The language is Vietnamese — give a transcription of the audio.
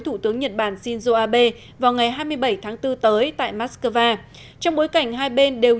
thủ tướng nhật bản shinzo abe vào ngày hai mươi bảy tháng bốn tới tại moscow trong bối cảnh hai bên đều